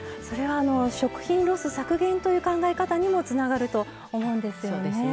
食品ロス削減という考え方にもつながると思うんですよね。